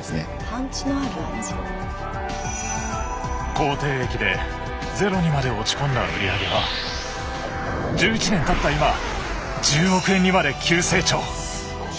口てい疫でゼロにまで落ち込んだ売り上げは１１年たった今１０億円にまで急成長。